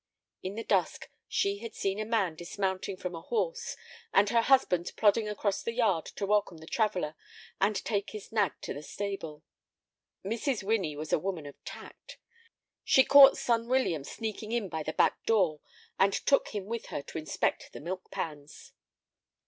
In the dusk she had seen a man dismounting from a horse, and her husband plodding across the yard to welcome the traveller and take his nag to the stable. Mrs. Winnie was a woman of tact. She caught son William sneaking in by the back door, and took him with her to inspect the milk pans.